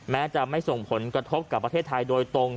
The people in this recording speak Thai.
แม้จะไม่ส่งผลกระทบกับประเทศไทยโดยตรง